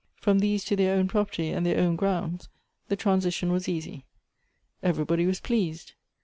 From these to their own property and their own grounds, the transition was easy. Everybody was jjleased.